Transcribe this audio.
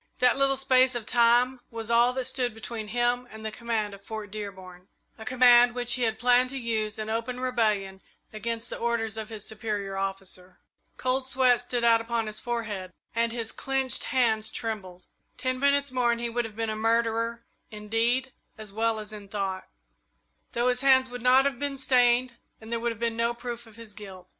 That little space of time was all that stood between him and the command of Fort Dearborn a command which he had planned to use in open rebellion against the orders of his superior officer. Cold sweat stood out upon his forehead, and his clenched hands trembled. Ten minutes more and he would have been a murderer in deed as well as in thought, though his hands would not have been stained and there would have been no proof of his guilt.